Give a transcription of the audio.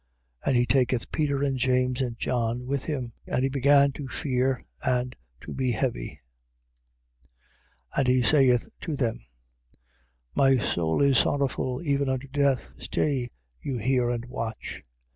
14:33. And he taketh Peter and James and John with him: and he began to fear and to be heavy. 14:34. And he saith to them: My soul is sorrowful even unto death. Stay you here and watch.